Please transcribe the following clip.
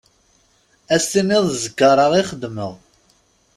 Ad s-tiniḍ d ẓẓkarat i xeddmeɣ.